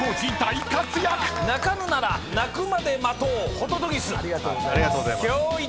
鳴かぬなら鳴くまで待とうホトトギス。